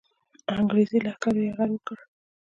انګرېزي لښکرو یرغل وکړ.